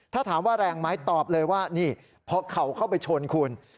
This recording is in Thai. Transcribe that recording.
ถ้าถามว่าแรงไหมตอบเลยว่านี่พอเข่าเข้าไปชนคุณ